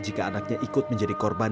jika anaknya ikut menjadi korban